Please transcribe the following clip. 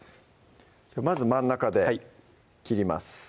まず真ん中で切ります